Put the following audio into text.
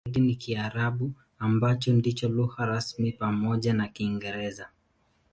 Kati yake, muhimu zaidi ni Kiarabu, ambacho ndicho lugha rasmi pamoja na Kiingereza.